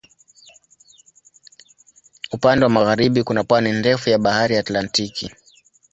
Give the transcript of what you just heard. Upande wa magharibi kuna pwani ndefu ya Bahari Atlantiki.